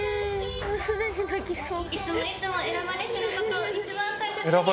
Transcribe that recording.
もうすでに泣きそう。